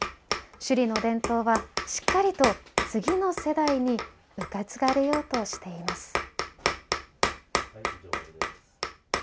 首里の伝統はしっかりと次の世代に受け継がれようとしています。